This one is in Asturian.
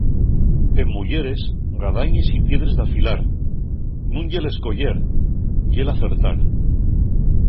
En muyeres, gadañes y piedres d'afilar, nun ye l'escoyer, ye l'acertar.